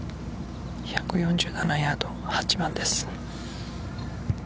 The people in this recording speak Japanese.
１４７ヤード、８番です。